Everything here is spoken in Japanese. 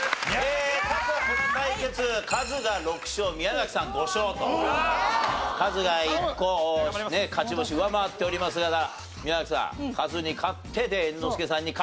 過去この対決カズが６勝宮崎さん５勝とカズが１個勝ち星上回っておりますが宮崎さんカズに勝ってで猿之助さんに勝って。